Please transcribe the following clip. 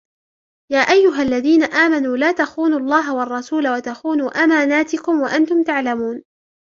يا أيها الذين آمنوا لا تخونوا الله والرسول وتخونوا أماناتكم وأنتم تعلمون